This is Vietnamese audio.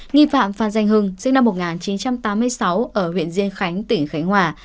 nghi phạm phan danh hưng sinh năm một nghìn chín trăm tám mươi sáu ở huyện diên khánh tỉnh khánh hòa